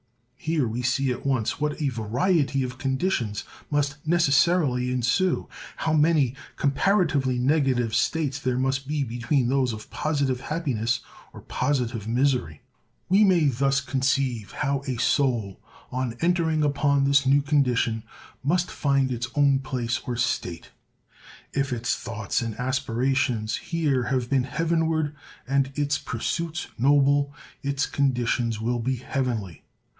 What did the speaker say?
Here we see at once what a variety of conditions must necessarily ensue—how many comparatively negative states there must be between those of positive happiness or positive misery! We may thus conceive how a soul, on entering upon this new condition, must find its own place or state; if its thoughts and aspirations here have been heavenward, and its pursuits noble, its conditions will be heavenly.